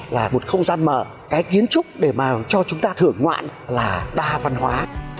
là một không gian mở cái kiến trúc để mà cho chúng ta thưởng ngoạn là đa văn hóa